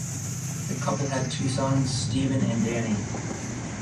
The couple had two sons, Steven and Danny.